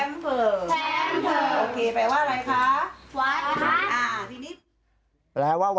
โอเคแปลว่าอะไรคะ